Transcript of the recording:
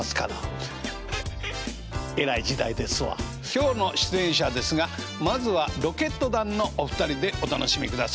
今日の出演者ですがまずはロケット団のお二人でお楽しみください。